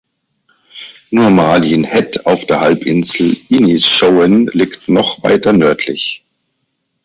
Nur Malin Head auf der Halbinsel Inishowen liegt noch weiter nördlich.